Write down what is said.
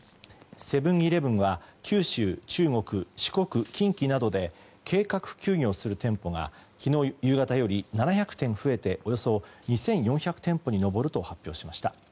セブン‐イレブンは九州、中国、四国、近畿などで計画休業する店舗が昨日夕方より７００店増えておよそ２４００店舗に上ると発表しました。